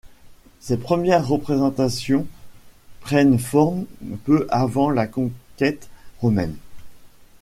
Ses premières représentations prennent forme peu avant la conquête romaine.